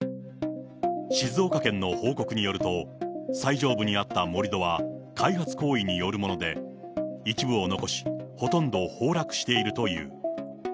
静岡県の報告によると、最上部にあった盛り土は開発行為によるもので、一部を残し、ほとんど崩落しているという。